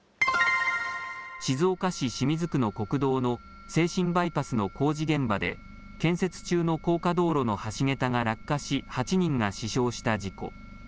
静岡市清水区の国道の静清バイパスの工事現場で、建設中の高架道路の橋桁が落下し、８人が死傷した事故。